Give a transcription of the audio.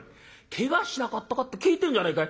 けがしなかったかって聞いてんじゃねえか」。